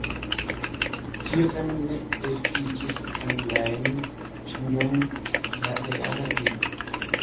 Tio tamen ne efikis grandajn ŝanĝojn en la reala vivo.